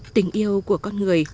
tình yêu của con người